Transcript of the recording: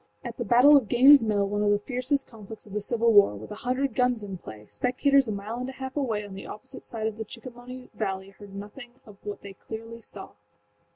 At the battle of Gainesâs Mill, one of the fiercest conflicts of the Civil War, with a hundred guns in play, spectators a mile and a half away on the opposite side of the Chickahominy valley heard nothing of what they clearly saw.